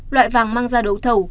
loại vàng mang ra đấu thầu